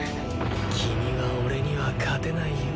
君は俺には勝てないよ。